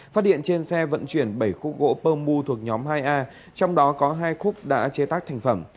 phát hiện trên xe vận chuyển bảy khúc gỗ pơ mu thuộc nhóm hai a trong đó có hai khúc đã chế tác thành phẩm